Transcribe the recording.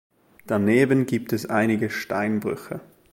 Daneben gibt es einige Steinbrüche.